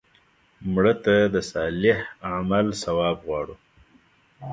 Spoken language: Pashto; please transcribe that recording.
مړه ته د صالح عمل ثواب غواړو